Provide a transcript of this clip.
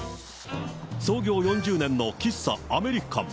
創業４０年の喫茶アメリカン。